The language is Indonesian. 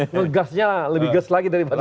ngegasnya lebih gas lagi daripada